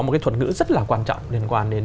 một cái thuật ngữ rất là quan trọng liên quan đến